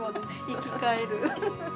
生き返る。